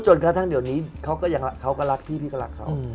จนกระทั่งเดี๋ยวนี้เขาก็รักพี่พี่ก็รักเขา